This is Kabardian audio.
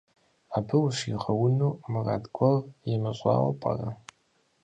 Абы ущигъэуэну мурад гуэр имыщӀауэ пӀэрэ?